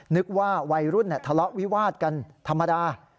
นึกว่าวัยรุ่นทะเลาะวิวาดกันธรรมดา